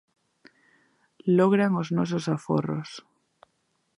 Logran os nosos aforros.